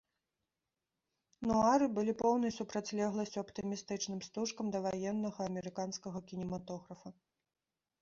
Нуары былі поўнай супрацьлегласцю аптымістычным стужкам даваеннага амерыканскага кінематографа.